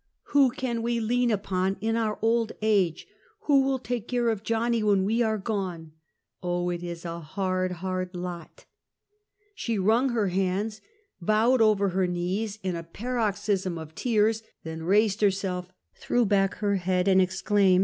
Who can we lean upon, in our old age? Who will take care of Johnny when we are gone? Oh, it is a hard, hard lot." She wrung her hands, bowed over her knees, in a paroxysm of tears, then raised herself, threw back her head, and exclaimed.